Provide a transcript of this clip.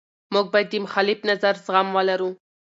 موږ باید د مخالف نظر زغم ولرو.